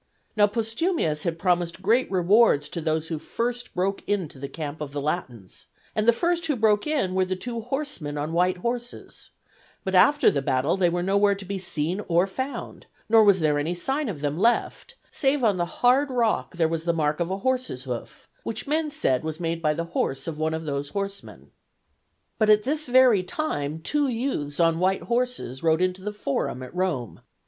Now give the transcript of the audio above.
Now Postumius had promised great rewards to those who first broke into the camp of the Latins, and the first who broke in were the two horsemen on white horses; but after the battle they were nowhere to be seen or found, nor was there any sign of them left, save on the hard rock there was the mark of a horse's hoof, which men said was made by the horse of one of those horsemen. But at this very time two youths on white horses rode into the Forum at Rome.